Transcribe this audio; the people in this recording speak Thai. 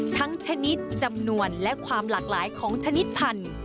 ชนิดจำนวนและความหลากหลายของชนิดพันธุ์